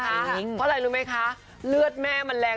เพราะอะไรรู้ไหมคะเลือดแม่มันแรง